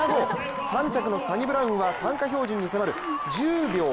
３着のサニブラウンは参加標準に迫る１０秒０８。